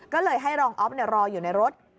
ก็เลยให้รองอ๊อฟรออยู่ในรถ